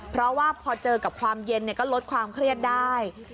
เพราะว่าพอเจอกับความเย็นก็ลดความเครียดได้